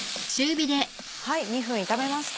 はい２分炒めました。